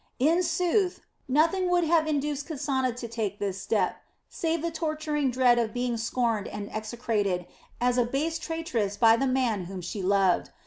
In sooth, nothing would have induced Kasana to take this step save the torturing dread of being scorned and execrated as a base traitress by the man whom she loved.